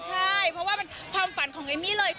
ใช่เพราะว่าเป็นความฝันของเอมมี่เลย